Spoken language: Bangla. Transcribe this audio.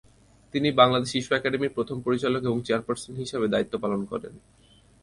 তিনি বাংলাদেশ শিশু একাডেমীর প্রথম পরিচালক এবং চেয়ারপার্সন হিসেবে দায়িত্ব পালন করেন।